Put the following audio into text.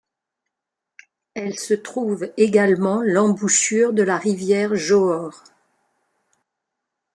Elle se trouve également l'embouchure de la rivière Johor.